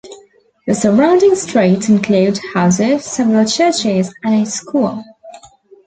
The surrounding streets include houses, several churches, and a school.